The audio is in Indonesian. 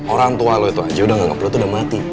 orang tua lu itu aja udah gak nangis udah mati